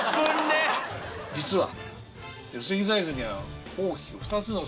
実は。